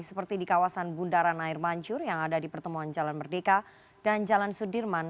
seperti di kawasan bundaran air mancur yang ada di pertemuan jalan merdeka dan jalan sudirman